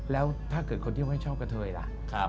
แล้วถ้าเกิดคนที่ไม่ชอบกับเธอย่างไร